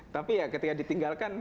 tapi ya ketika ditinggalkan